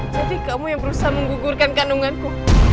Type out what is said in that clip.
jadi kamu yang berusaha menggugurkan kandunganku